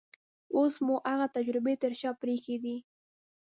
اوس مو هغه تجربې تر شا پرېښې دي.